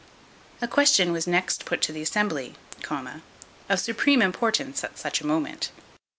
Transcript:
A question was next put to the assembly, of supreme importance at such a moment.